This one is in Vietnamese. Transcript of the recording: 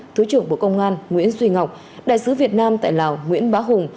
thứ trưởng bộ công an nguyễn duy ngọc đại sứ việt nam tại lào nguyễn bá hùng